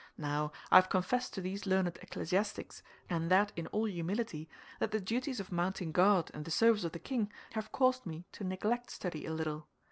Now, I have confessed to these learned ecclesiastics, and that in all humility, that the duties of mounting guard and the service of the king have caused me to neglect study a little.